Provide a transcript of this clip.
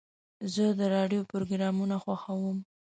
زه د راډیو پروګرامونه خوښوم.